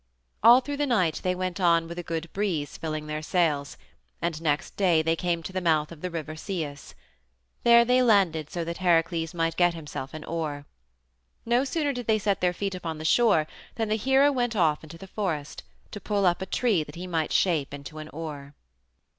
All through the night they went on with a good breeze filling their sails, and next day they came to the mouth of the River Cius. There they landed so that Heracles might get himself an oar. No sooner did they set their feet upon the shore than the hero went off into the forest, to pull up a tree that he might shape into an oar.